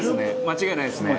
間違いないですね」